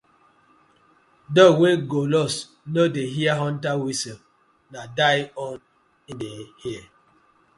Dog wey go lost no dey hear hunter whistle na die own im dey hear.